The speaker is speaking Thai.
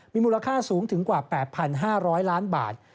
มีมูลค่าสูงถึงกว่า๘๕๐๐ล้านบาท